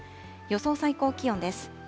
予想最高気温です。